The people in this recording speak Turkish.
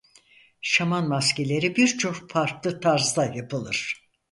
Şaman maskeleri birçok farklı tarzda yapılır.